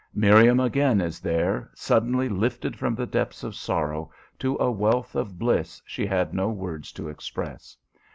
Miriam again is there, suddenly lifted from the depths of sorrow to a wealth of bliss she had no words to express.